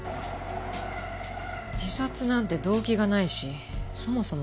自殺なんて動機がないしそもそもあの状況。